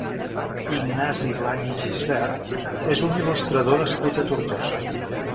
Ignasi Blanch i Gisbert és un il·lustrador nascut a Tortosa.